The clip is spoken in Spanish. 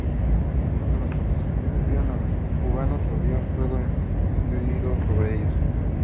Cuando las tropas españolas vieron a los cubanos, abrieron un fuego nutrido sobre ellos.